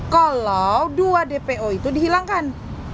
kalau dua dpo itu dihilangkan